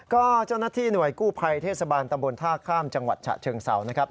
ก็เจ้าหน้าที่หน่วยกู้ภัยเทศบาลตำบลท่าข้ามจังหวัดฉะเชิงเศร้านะครับ